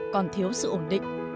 còn thiếu sự ổn định